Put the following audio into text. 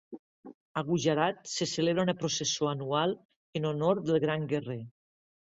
A Gujarat, se celebra una processó anual en honor del gran guerrer.